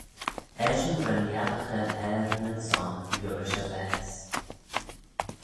Eshyn ren lhiassaghey er nyn son liorish e vaase.